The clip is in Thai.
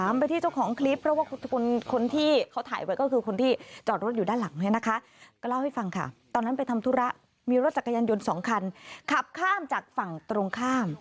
มีรถจักรยานยนต์๒คันขับข้ามจากฝั่งตรงข้าม